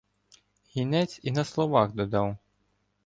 Гінець і на словах додав: